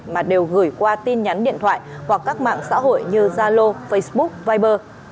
mà đều gửi qua tin nhắn điện thoại hoặc các mạng xã hội như zalo facebook viber